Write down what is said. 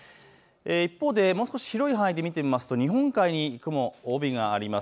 一方でもう少し広い範囲で見てみますと日本海に雲、帯があります。